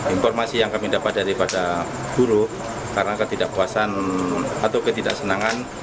informasi yang kami dapat daripada guru karena ketidakpuasan atau ketidaksenangan